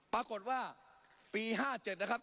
ปรากฏว่าปี๕๗นะครับ